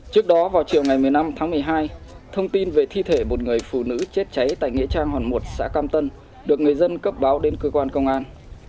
trước đó vào chiều ngày một mươi năm tháng một mươi hai thông tin về thi thể một người phụ nữ chết cháy tại nghĩa trang hòn một xã cam tân được người dân cấp báo đến cơ quan công an